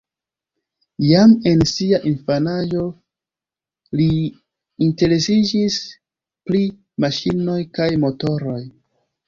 Jam en sia infanaĝo li interesiĝis pri maŝinoj kaj motoroj.